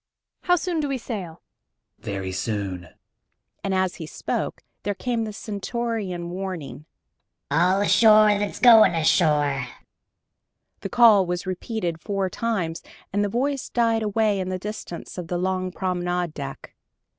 How soon do we sail?" "Very soon," and as he spoke there came the stentorian warning: "All ashore that's going ashore!" The call was repeated four times, and the voice died away in the distance of the long promenade deck.